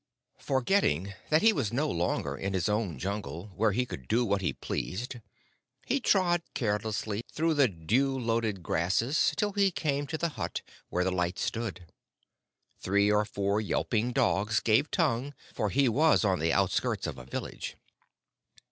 Forgetting that he was no longer in his own jungle, where he could do what he pleased, he trod carelessly through the dew loaded grasses till he came to the hut where the light stood. Three or four yelping dogs gave tongue, for he was on the outskirts of a village.